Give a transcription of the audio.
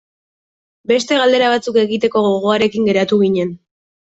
Beste galdera batzuk egiteko gogoarekin geratu ginen.